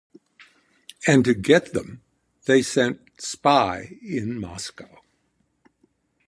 And to get them they sent spy in Moscow.